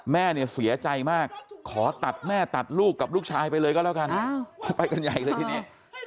แม่เนี่ยเสียใจมากขอตัดแม่ตัดลูกกับลูกชายไปเลยก็แล้วกันไปกันใหญ่เลยทีนี้